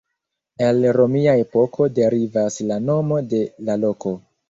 El romia epoko derivas la nomo de la loko.